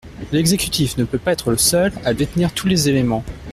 L’exécutif ne peut pas être le seul à détenir tous les éléments.